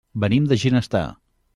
Venim de Ginestar.